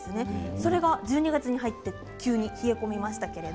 それが１２月に入って急に冷え込みました。